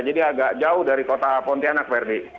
jadi agak jauh dari kota pontianak prd